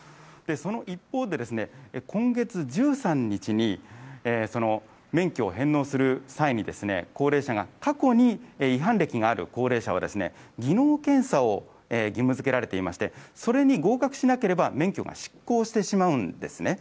その一方で、今月１３日に、免許を返納する際に、高齢者が過去に違反歴がある高齢者は、技能検査を義務づけられていまして、それに合格しなければ免許が失効してしまうんですね。